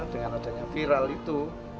dengan adanya viral itu